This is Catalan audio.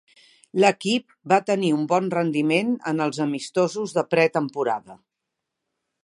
L'equip va tenir un bon rendiment en els amistosos de pretemporada.